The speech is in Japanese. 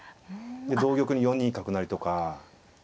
で同玉に４二角成とか。